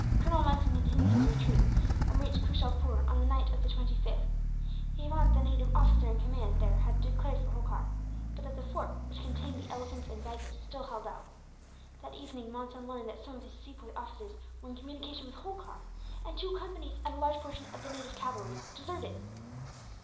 ] Colonel Monson continued his retreat, and reached Kooshalpur on the night of the 25th. He found that the native officer in command there had declared for Holkar; but that the fort, which contained the elephants and baggage, still held out. That evening Monson learnt that some of his Sepoy officers were in communication with Holkar; and two companies, and a large portion of the native cavalry deserted.